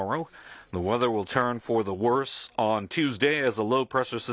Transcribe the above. そうですね。